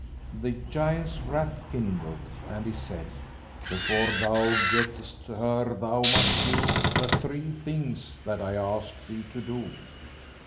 The giant's wrath kindled, and he said: "Before thou gett'st her thou must do the three things that I ask thee to do."